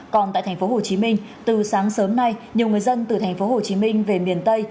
còn tại tp hcm từ sáng sớm nay nhiều người dân từ tp hcm về miền tây